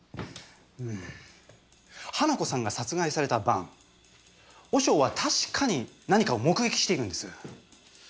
花子さんが殺害された晩和尚は確かに何かを目撃しているんです。